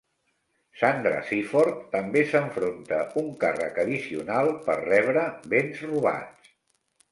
Sandra Sifford també s'enfronta un càrrec addicional per rebre béns robats.